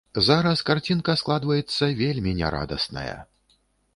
Зараз карцінка складваецца вельмі нярадасная.